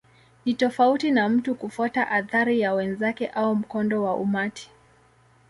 Ni tofauti na mtu kufuata athari ya wenzake au mkondo wa umati.